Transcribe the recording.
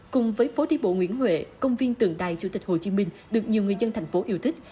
cùng với phố đi bộ nguyễn huệ công viên tượng đài chủ tịch hồ chí minh được nhiều người dân thành phố yêu thích